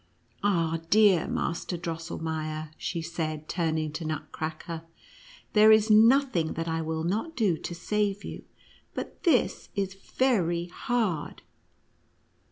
"Ah, clear Master Drosselmeier," she said, turning to Nutcracker, "there is nothing that I will not do to save you, but this is very hard